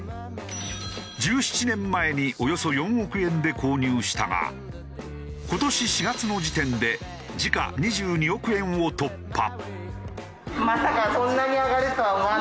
１７年前におよそ４億円で購入したが今年４月の時点で時価２２億円を突破。